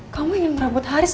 kamu ingin merabot haris